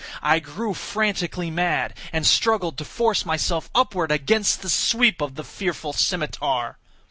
I grew frantically mad, and struggled to force myself upward against the sweep of the fearful scimitar.